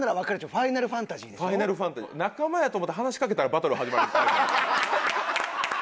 『ファイナルファンタジー』仲間やと思って話しかけたらバトル始まるんですね